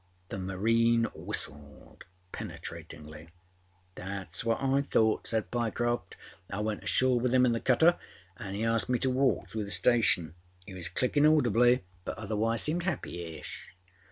â The marine whistled penetratingly. âThatâs what I thought,â said Pyecroft. âI went ashore with him in the cutter anâ âe asked me to walk through the station. He was clickinâ audibly, but otherwise seemed happy ish.